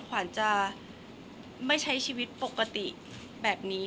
ขวัญจะไม่ใช้ชีวิตปกติแบบนี้